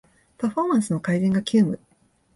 パフォーマンスの改善が急務